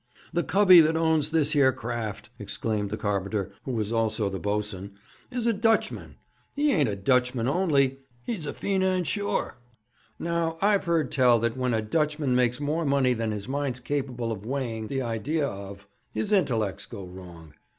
'The covey that owns this here craft,' exclaimed the carpenter, who was also the boatswain, 'is a Dutchman. He ain't a Dutchman only he's a feenansure. Now, I've heard tell that when a Dutchman makes more money than his mind's capable of weighing the idea of, his intellects go wrong.